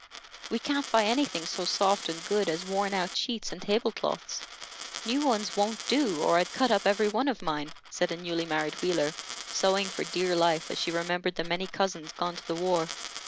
"We can't buy anything so soft and good as worn out sheets and table cloths. New ones wont do, or I'd cut up every one of mine," said a newly married Wheeler, sewing for dear life, as she remembered the many cousins gone to the war.